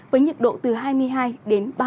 với nhiệt độ từ hai mươi hai đến ba mươi độ